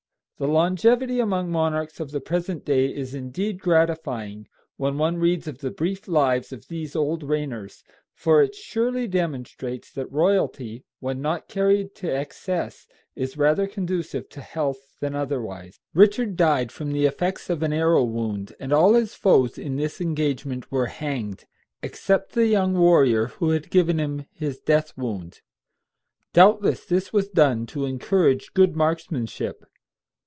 The longevity among monarchs of the present day is indeed gratifying when one reads of the brief lives of these old reigners, for it surely demonstrates that royalty, when not carried to excess, is rather conducive to health than otherwise. Richard died from the effects of an arrow wound, and all his foes in this engagement were hanged, except the young warrior who had given him his death wound. Doubtless this was done to encourage good marksmanship.